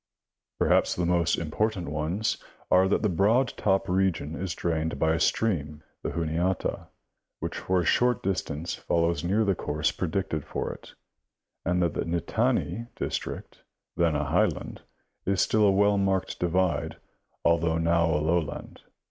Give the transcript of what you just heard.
Perhaps the most important ones are that the Broad Top region is drained by a stream, the Juniata, which for a short distance follows near the course predicted for it ; and that the Nittany district, then a highland, is still a well marked divide although now a lowland.